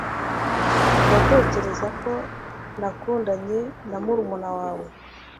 ndatekereza ko nakundanye na murumuna wawe